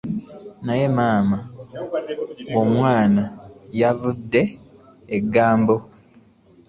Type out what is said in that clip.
Naye maama, omwana yeevudde eggambo.